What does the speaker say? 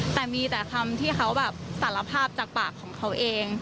แต่มีแต่คำที่เขาแบบสารภาพจากปากของเขาเอง